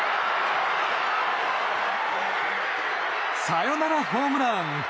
サヨナラホームラン！